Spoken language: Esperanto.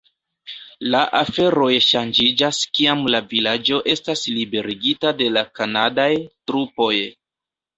La aferoj ŝanĝiĝas kiam la vilaĝo estas liberigita de la kanadaj trupoj.